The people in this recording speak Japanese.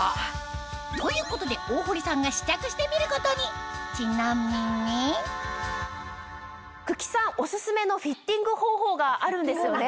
ということで大堀さんが試着してみることにちなみに九鬼さんオススメのフィッティング方法があるんですよね？